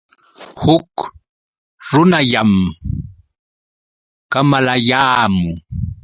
Huk runallam kamalayaamun.